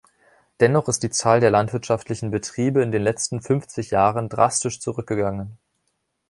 Dennoch ist die Zahl der landwirtschaftlichen Betriebe in den letzten fünfzig Jahren drastisch zurückgegangen.